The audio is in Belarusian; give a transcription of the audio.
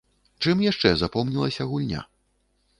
Чым яшчэ запомнілася гульня?